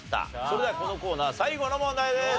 それではこのコーナー最後の問題です。